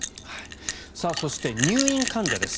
そして、入院患者です。